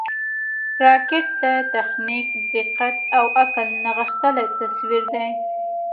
راکټ د تخنیک، دقت او عقل نغښتلی تصویر دی